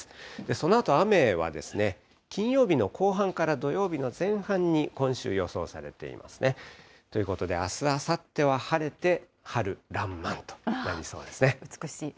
そのあと雨は、金曜日の後半から土曜日の前半に今週予想されていますね。ということであす、あさっては晴れて、春らんまんとなりそうです美しい。